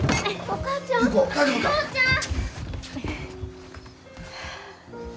お母ちゃん。